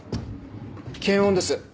検温です。